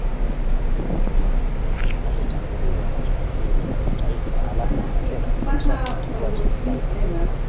anayetambuliwa na jumuiya ya kimataifa alasan watera kusaka uungwaji mkono